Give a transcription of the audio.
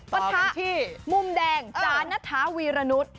ปะทะมุมแดงจานัทธาวีรณุษย์